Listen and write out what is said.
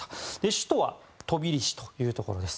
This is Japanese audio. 首都はトビリシというところです。